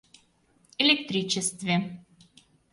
Электричестве.